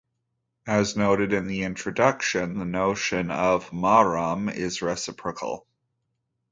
As noted in the introduction, the notion of "mahram" is reciprocal.